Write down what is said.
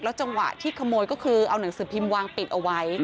จังหวะที่ขโมยก็คือเอาหนังสือพิมพ์วางปิดเอาไว้